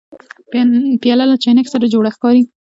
پیاله له چاینکي سره جوړه ښکاري.